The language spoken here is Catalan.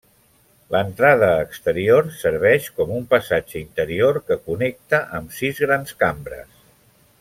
L'entrada exterior serveix com un passatge interior que connecta amb sis grans cambres.